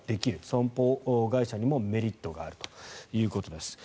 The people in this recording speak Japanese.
損保会社にもメリットがあるということです。